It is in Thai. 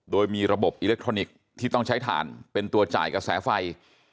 โดยมีระบบอิเล็กทรอนิกส์ที่ต้องใช้ฐานเป็นตัวจ่ายกระแสไฟ